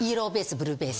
ブルーベース。